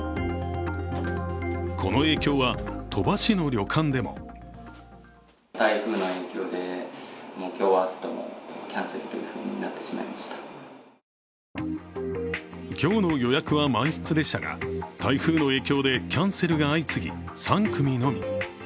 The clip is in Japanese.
この影響は、鳥羽市の旅館でも今日の予約は満室でしたが台風の影響でキャンセルが相次ぎ３組のみ。